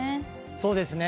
そうですね。